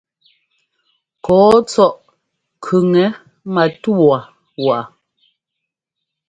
Kɔ́ɔ tsɔ́ʼ kʉŋɛ matúwa waa.